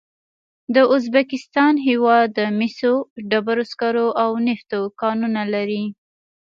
د ازبکستان هېواد د مسو، ډبرو سکرو او نفتو کانونه لري.